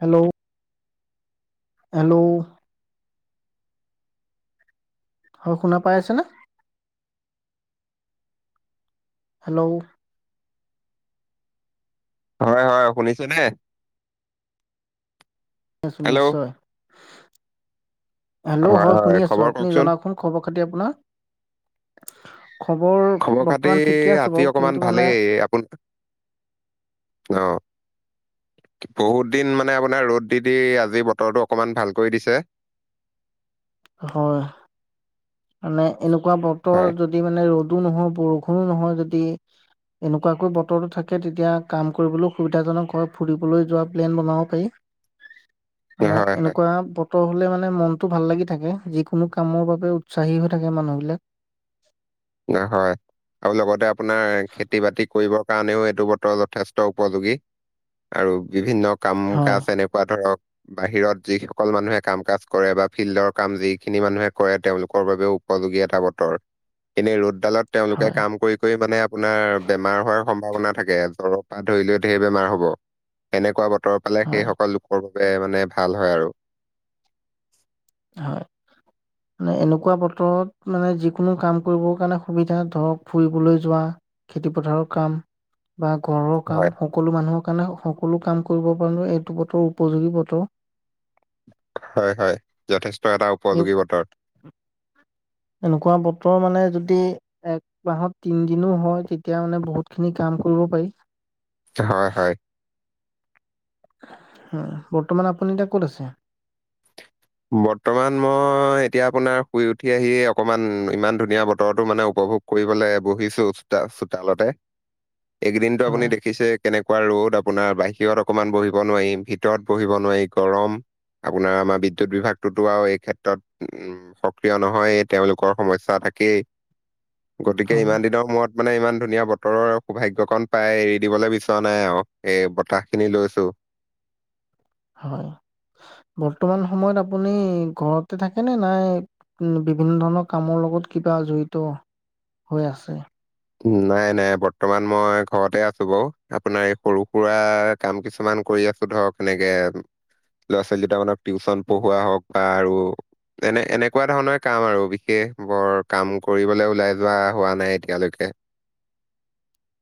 Hello. Hello. হয়, শুনা পাই আছেনে? হেল্ল' হয় হয় শুনিছো দে ঊছ নিশ্চয় হেল্ল' হয় শুনি আছো আপুনি জনাওকচোন খবৰ খাতি আপোনাৰ খবৰ খবৰ খাতি বৰ্তমান ঠিকে আছো আজি বাৰু অকমান কিন্তু মানে ভালেই আপোনাৰ অ', বহুত দিন মানে আপোনাৰ ৰ'দ দি দি আজি বতৰটো অকমান ভালক দিছে হ মানে এনেকুৱা বত হয়, যদি মানে ৰ'দো নহয় বৰষুণো নহয় যদি এনেকুৱাকৈ বতৰটো থাকে তেতিয়া কাম কৰিবলৈ সুবিধাজনক হয় ফুৰিবলৈ যোৱা প্লেন বনাব পাৰি মানে হয়, এনেকুৱা বতৰ হলে মানে মনতটো ভাল লাগি থাকে যিকোনো কামৰ বাবে উৎসাহী থাকে মানুহবিলাক হয় আৰু লগতে আপোনাৰ খেতি বাতি কৰিব কাৰণেও এইটো বতৰ যথেষ্ট উপযোগী আৰু বিভিন্ন কাম ক হয় এনেকুৱা ধৰক বাহিৰত যিসকল মানুহে কাম কাজ কৰে বা ফিল্ডৰ কাম যিখিনি মানুহে কৰে তেওঁলোকৰ বাবেও উপলব্ধ মান সম্ভাৱনা থাকে জ্বৰৰ হয় পৰা ধৰিলেও ঢেৰ বেমাৰ হব সেনেকুৱা বতৰৰ পে হয় সেই সকল লোকৰ মানে ভাল হয় আৰু হয় মানে এনেকুৱা বতৰত মানে যিকোনো কাম কৰিবৰ কাৰণে সুবিধা ধৰক ফুৰিবলৈ যোৱা খেতি পথাৰৰ কাম বা ঘৰৰ হয় কাম সকলো মানুহক কাৰণে সকলো কাম কৰিব পাৰো এইটো বতৰ উপযোগী বতৰ হয় হয় যথেষ্ট এটা এই উপযোগী বতৰ এনেকুৱা বতৰ মানে যদি এক মাহত তিন দিনো হয় তেতিয়া মানে বহুতখিনি কাম কৰিব পাৰি হয় হয় বৰ্তমান আপুনি এতিয়া ক'ত আছে? বৰ্তমান মই এতিয়া আপোনাৰ শুই উঠি আহি অকমান ইমান ধুনীয়া বতৰো মানে উপভোগ কৰিবলৈ বহিছো চোতা চোতালতে এইকদিনতটো আপুনি হয়, দেখিছে কেনেক কোৱা ৰ'দ আপোনাৰ বাহিৰত অকনমান বহিব নোৱাৰি ভিতৰত বহিব নোৱাৰি গৰম আপোনাৰ আমাৰ বিদ্যুত বিভাগটোতো আৰু এই ক্ষেত্ৰত উ সক্ৰিয় নহয় তেওঁলোকৰ সমস্যা থাকেই গতিকে হয়, ইমান দিনৰ সমূৰত মানে ইমান ধুনীয়া বতৰৰ সৌভাগ্যয় কন পাই এৰি দিবলৈ বিচৰা নাই আৰু এই বতাহ খিনি লৈছো [inaudible] হয় বৰ্তমান সময়ত আপুনি ঘৰতে থাকে নে, নাই, উ, বিভিন্ন ধৰণৰ কামৰ লগত কিবা জড়িত হৈ আছে। নাই, নাই, বৰ্তমান মই ঘৰতে আছো বাৰ আপোনাৰ এই সৰু, সুৰা কাম কিছুমান কৰি আছো ধৰক এনেকে ল'ৰা, ছোৱালী দুটা মানক টিউচন পঢ়োৱা হওক বা আৰু এনে, এনেকুৱা ধৰণৰ কাম আৰু বিশেষ বৰ কাম কৰিবলৈ ওলাই যোৱা হোৱা নাই এতিয়ালৈকে।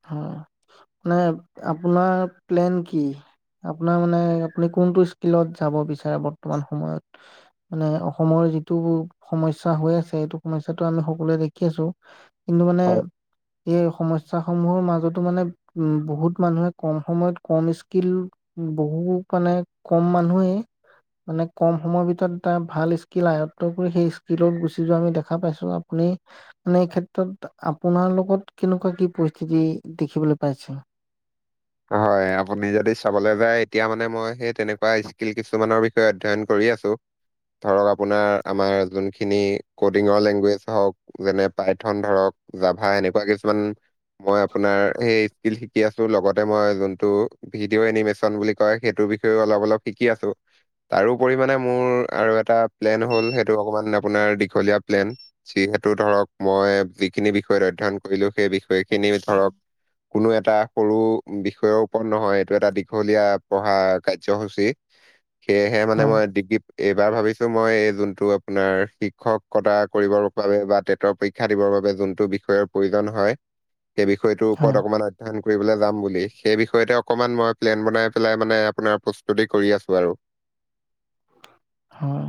অ, মানে আপোনাৰ প্লেন কি? আপোনাৰ মানে আপুনি কোনটো স্কিলত যাব বিচাৰে বৰ্তমান সময়ত মানে অসমৰ? যিটো সমস্যা হৈ আছে, সেইটো সমস্যাটো আমি সকলোৱে দেখি আছো। কিন্তু মানে হয়। এই সমস্যা মাজো মানে উ, বহুত মানুহে কম সময়ত, কম স্কিল বু মানে মানে কম মানুহে মানে কম সময়ৰ ভিতৰত এটা ভাল স্কিল আয়ত কৰি সেই স্কিলত গুচি যোৱা আমি দেখা পাইছো আপু মানে এই ক্ষেত্ৰত আপোনাৰ লগত কেনেকুৱা কি পইচা কি দেখিব পাইছো। হয়। আপুনি যদি চাবলৈ যায়, এতিয়া মানে মই সেই তেনেকুৱা স্কিল কিছুমানৰ বিষয়ে অধ্যয়ন কৰি আছো। ধৰক আপোনাৰ আমাৰ যোন খিনি কডিঙৰ লেংগুৱেজ হওক যেনে পাইথন ধৰক জাভা এনেকুৱা কিছুমান মই আপোনাৰ সেই স্কিল শিকি আছো লগত এতিয়া মই যোনটো ভিডিঅ' এনিমেচন বুলি কয় সেইটো বিষয়ে অলপ অলপ শিকি আছোঁ। তাৰপৰি মানে মোৰ আৰু এটা প্লেন হ'ল সেইটো অকমান আপোনাৰ দীঘলীয়া প্লেন চি যিহেতু ধৰক মই যিখিনি বিষয়ত অধ্যয়ন কৰিলো, সেই বিষয়খিনি ধৰক কোনো এটা সৰু বিষয়ৰ ওপৰত নহয়, এইটো এটা দীঘলীয়া পঢ়া কাৰ্যসূচী সেয়েহে মানে হয়, মই ডিগ্ৰী এইবাৰ ভাবিছো মই এই যোনটো আপোনাৰ শিক্ষকতা কৰিবৰ বাবে বা টেটৰ পৰীক্ষা দিবৰ বাবে বাবে যোনটো বিষয়ৰ প্ৰয়োজন হয়, সেই বিষয়টোৰ হয়। ওপৰত অকমান অধ্যয়ন কৰিবলৈ যাম। সেই বিষয়তে অকমান মই প্লেন বনাই পেলাই মানে আপোনাৰ প্ৰস্তুতি কৰি আছো আৰু। হয়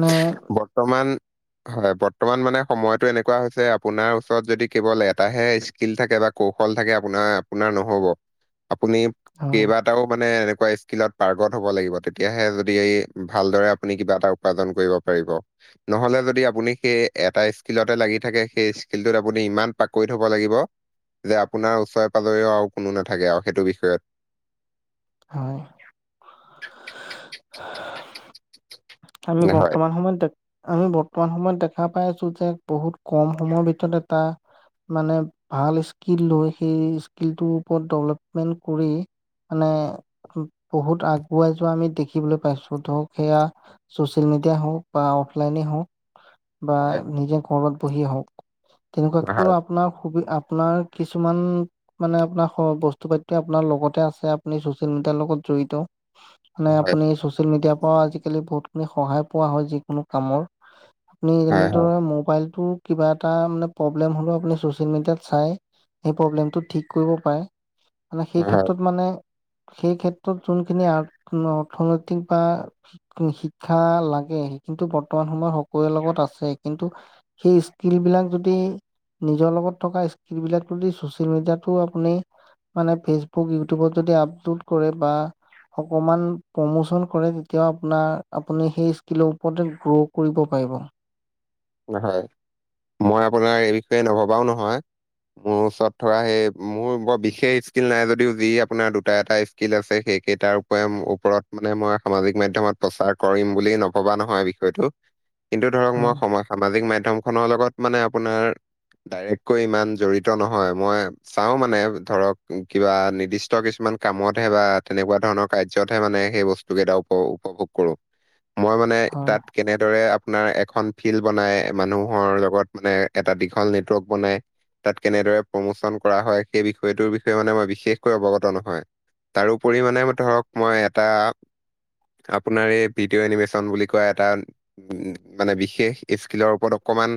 নে বৰ্তমান হয়, বৰ্তমান মানে সময়টো এনেকুৱা হৈছে আপোনাৰ ওচৰত যদি কেৱল এটাহে স্কিল থাকে বা কৌশল থাকে, আপোনাৰ আপোনাৰ নহ'ব আপুনি হয় কেইবাটাও মানে স্কিলত পাৰ্গত হ'ব লাগিব, তেতিয়াহে যদি ভালদৰে আপুনি কিবা এটা উপাৰ্জন কৰিব পাৰিব। নহলে যদি আপুনি সেই এটা স্কিলতে লাগি থাকে, সেই স্কিলটোত আপুনি ইমান পাকৈত হ'ব লাগিব। যে আপোনাৰ ওচৰে পাজৰেও আৰু কোনো নাথাকে আৰু সেইটো বিষয়ত হয় [inaudible] আমি হয়। বৰ্তমান সময়ত দেখ আমি বৰ্তমান সময়ত দে দেখা পাই আছো যে বহুত কম সময়ৰ ভিতৰত এটা মানে ভাল স্কিল লৈ সেই স্কিলটোৰ ওপৰত ডেভলপমেণ্ট কৰি মানে বহুত আগুৱাই যোৱা আমি দেখিবলৈ পাইছো ধৰক সেয়া ছচিয়েল মিডিয়াই হওক বা অফলাইনে হওক বা হয় নিজে কৰবাত পঢ়ি আহওক তেনেকুৱাক হয় আপোনাৰ সুবি আপোনাৰ কিছুমান মানে আপোনাৰ বস্তু পাতিটো আপোনাৰ লগতে আছে আপুনি ছচিয়েল মিডিয়াৰ লগত জড়িত। মানে হয় আপুনি ছচিয়েল মিডিয়াৰ পৰাও আজিকালি বহুতখিনি সহায় পোৱা হয় যিকোনো কামৰ আপুনি হয় যেনেদৰে মোবাইলটো কিবা এটা প্ৰব্লেম হলে চছিয়েল মিডিয়াত চাই সেই প্ৰব্লেম টো ঠিক কৰিব পাৰে। মানে সেই হয় ক্ষেত্ৰত মানে সেই ক্ষেত্ৰত যোনখিনি আ, অৰ্থনৈতিক বা শিক শিক্ষা লাগে, সেই কিন্তু বৰ্তমান সময়ত সকলোৰে লগত আছে কিন্তু সেই স্কিল বিলাক যদি নিজৰ লগত থকা স্কিল বিলাক ছচিয়েল মিডিয়াতটো আপুনি মানে ফেচবুক ইউটিউবত যদি আপলোড কৰে বা অকমান প্ৰমোচন কৰে, তেতিয়াও আপোনাৰ আপুনি সেই স্কীলৰ ওপৰতে গ্ৰ কৰিব পাৰিব। হয়, মই আপোনাৰ এই বিষয়ে নভবাও নহয় মোৰ ওচৰত থকা সেই মোৰ বৰ বিশেষ স্কিল নাই, যদিও যি আপোনাৰ দুটা এটা স্কিল আছে সেইকেইটাৰ ওপৰত মানে মই সামাজিক মাধ্যমত প্ৰচাৰ কৰিম বুলি নভবা নহয় বিষয়টো। কিন্তু ধৰক মই হয়, সময়, সামাজিক মাধ্যমখনৰ লগত মানে আপোনাৰ ডাইৰেক্টকৈ ইমান জৰিত নহয়, মই চাওঁ মানে ধৰক কিবা নিৰ্দিষ্ট কিছুমান মান কামত হে, বা তেনেকুৱা ধৰণৰ কাৰ্যতহে মানে সেই বস্তু কেইটা উপ উপভোগ কৰো। মই মানে হয়, তাত কেনেদৰে আপোনাৰ এখন ফিল্ড বনাই, মানুহৰ লগত মানে এটা দীঘল নেটৱৰ্ক বনাই তাত কেনেদৰে প্ৰমোচন কৰা হয়, সেই বিষয়টোৰ বিষয়ে মানে মই বিশেষকৈ অৱগত নহয়। তাৰোপৰি মানে ধৰক, মই এটা আপোনাৰ এই ভিডিঅ' এনিমেচন বুলি কয়, এটা মানে বিশেষ স্কিলৰ ওপৰত অকণমান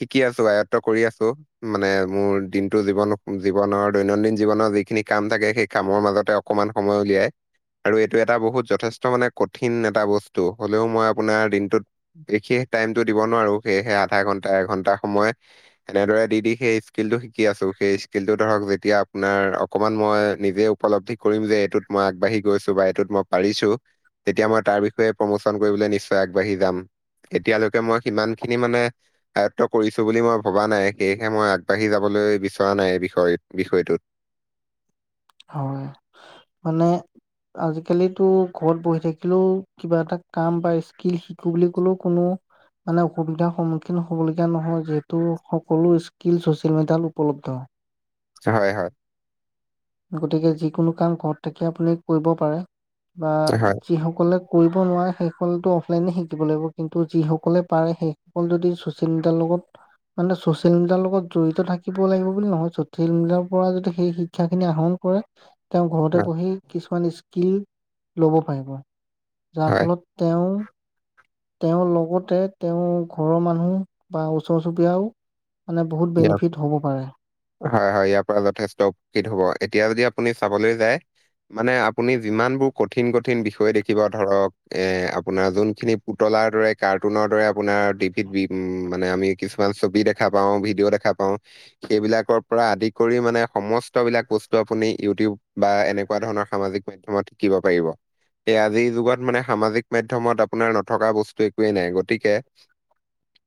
শিকি আছোঁ, আয়ত্ত কৰি আছোঁ, মানে মোৰ দিনটো জীৱন জীৱনৰ দৈনন্দিন জীৱনৰ যিখিনি কাম থাকে, সেই কামৰ মাজতে অকমান সময় উলিয়াই আৰু এইটো এটা বহুত যথেষ্ট মানে কঠিন এটা বস্তু, হ'লেও মই আপোনাৰ দিনত বিশেষ টাইম টো দিব নোৱাৰো, সেয়েহে আধা ঘন্টা এঘন্টা সময় এনেদৰে দি দি সেই স্কিলটো শিকি আছোঁ, সেই স্কিলটো ধৰক যেতিয়া আপোনাৰ অকণমান মই নিজে উপলব্ধি কৰিম যে, এইটোত মই আগবাঢ়ি গৈছোঁ বা এইটোত মই পাৰিছোঁ, তেতিয়া মই তাৰ বিষয়ে প্ৰমোচন কৰিব নিশ্চয় আগবাহি যাম। মই সিমান খিনি মানে আয়ত্ব কৰিছোঁ বুলি মই ভবা নাই, সেয়েহে মই আগবাঢ়ি যাবলৈ বিচৰা নাই, এই বিষয়ত বিষয়টোত হয়, মানে আজিকালিতো ঘৰত বহি থাকিলেওঁ, কিবা এটা কাম বা স্কিল সিকো বুলি ক'লেও কোনো মানে অসুবিধাৰ সন্মুখীন হ'বলগীয়া নহয়, যিহেতু সকলো স্কিল চচিয়েল মিডিয়াত উপলব্ধ। হয় হয়। গতিকে যিকোনো কাম ঘৰত থাকি আপুনি কৰিব পাৰে, বা হয় যিসকলে কৰিব নোৱাৰে, সেইসকলেতো অফলাইনেই শিকিব লাগিব, কিন্তু যিসকলে পাৰে সেইসকল যদি চ'চিয়েল মিডিয়াৰ লগ ক'ত? মানে চচিয়েল মিডিয়াৰ লগত জড়িত থাকিব লাগিব বুলি নহয়, চচিয়েল মিডিয়াৰ পৰা যদি সেই শিক্ষা খিনি আহৰণ কৰে, তেওঁ ঘৰতেই হয় পঢ়ি কিছুমান স্কিল ল'ব পাৰিব। হয় যাৰফলত তেওঁ তেওঁৰ লগতে, তেওঁৰ ঘৰৰ মানুহ বা ওচৰ চুবুৰীয়াওঁ [unintelligible] হয় হয়, ইয়াৰ পৰা যথেষ্ট হ'ব, এতিয়া যদি আপুনি চাবলৈ যায় মানে আপুনি যিমানবোৰ কঠিন কঠিন বিষয় দেখিব, ধৰক, এ আপোনাৰ যোনখিনি পুতত লাৰ দৰে, কাৰ্টুনৰ দৰে আপোনাৰ টিভিত মানে আমি কিছুমান ছবি দেখা পাওঁ, ভিডিঅ দেখা পাওঁ, সেইবিলাকৰ পৰা আদি কৰি মানে সমস্ত বিলাক বস্তু আপুনি ইউটিউব বা বা এনেকুৱা ধৰণৰ সামাজিক মাধ্যমত শিকিব পাৰিব। এই আজিৰ যুগত মানে, সামাজিক মাধ্যমত আপোনাৰ নথকা বস্তু একোৱেই নাই। গতিকে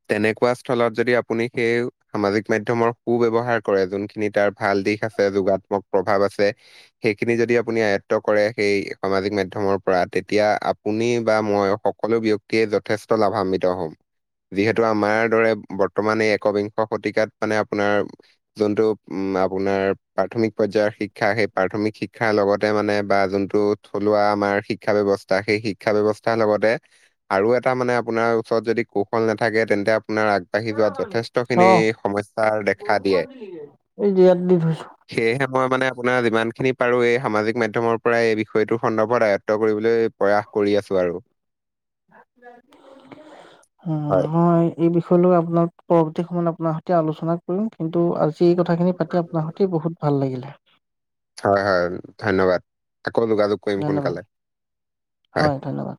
তেনেকুৱা স্থলত যদি আপুনি সেই সামাজিক মাধ্যমৰ সু ব্যৱহাৰ কৰে, যোনখিনি তাৰ ভাল দিশ আছে, যোগাত্মক প্ৰভাৱ আছে। সেইখিনি যদি আপুনি আয়ত্ব কৰে, সেই সামাজিক মাধ্যমৰ পৰা, তেতিয়া আপুনি বা মই সকলো ব্যক্তিয়েই যথেষ্ট লাভান্বিত হ'ম। যিহেতু, আমাৰ দৰে বৰ্তমান এই একবিং শ শতিকাত মানে আপোনাৰ যোনটো, উম, আপোনাৰ প্ৰাথমিক পৰ্যায়ৰ শিক্ষা, সেই প্ৰাথমিক শিক ক্ষাৰ লগতে মানে বা যোনটো থলুৱা আমাৰ শিক্ষা ব্যৱস্থা, সেই শিক্ষা ব্যৱস্থাৰ লগতে আৰু এটা মানে আপোনাৰ ওচৰত যদি কৌশল নাথাকে, তেন্তে আপোনাৰ আগবাঢ়ি যোৱাত যথেচ খিনি অ সমস্যাৰ দেখা দিয়ে এই ইয়াত দি থৈছো সেয়হে মই মানে আপোনাৰ যিমান খিনি পাৰো, এই সামাজিক মধ্যয়মৰ পৰা এই বিষয়টো সন্দৰ্ভত আয়ত্ব কৰিবলৈ [inaudible] প্ৰয়াস কৰি আছো আৰু। হয়, বিষয় লৈ আপোনাৰ পৰৱৰ্তী সময়ত আপোনাৰ সৈতে আলোচনা কৰিম কিন্তু কিন্তু আজি এই কথা খিনি পাতি আপোনাৰ সতে বহুত ভাল লাগিলে। হয়, হয়, ধন্যবাদ। আকৌ যোগাযোগ কৰিম ধন্যবাদ সোনকালে হ হয় ধন্যবাদ